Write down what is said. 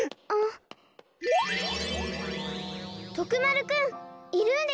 とくまるくん！